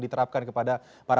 terima kasih pak